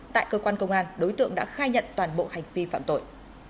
tại cơ quan công an đối tượng đã khai nhận toàn bộ hành vi phạm tội